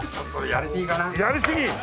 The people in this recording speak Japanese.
やりすぎ！？